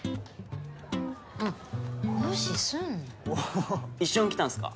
うん無視すんな一緒に来たんすか？